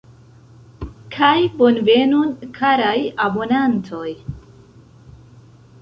Kaj bonvenon, karaj abonantoj!!!